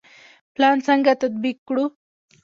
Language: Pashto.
پلان څنګه تطبیق کړو؟